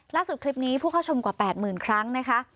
ล่าสุดคลิปนี้ผู้เข้าชมกว่า๘หมื่นครั้งนะคะ